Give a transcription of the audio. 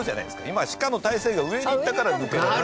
今鹿の体勢が上に行ったから抜け出せた。